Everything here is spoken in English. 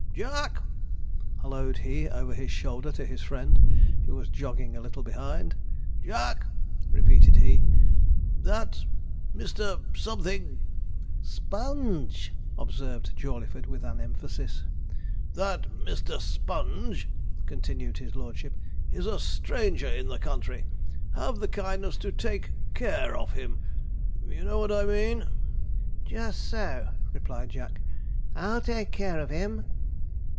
'Jack!' halloaed he over his shoulder to his friend, who was jogging a little behind; 'Jack!' repeated he, 'that Mr. Something ' 'Sponge!' observed Jawleyford, with an emphasis. 'That Mr. Sponge,' continued his lordship, 'is a stranger in the country: have the kindness to take care of him. You know what I mean?' 'Just so,' replied Jack; 'I'll take care of him.'